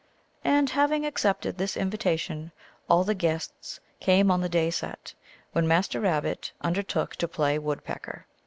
" And having accepted this invitation, all the guests came 011 the day set, when Master Rabbit undertook to play woodpecker.